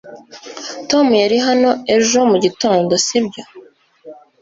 tom yari hano ejo mugitondo, sibyo